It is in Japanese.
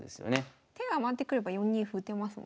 手余ってくれば４二歩打てますもんね。